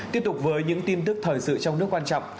tiếp tục với những tin tức thời sự trong nước quan trọng